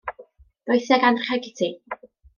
Ddois i ag anrheg i ti.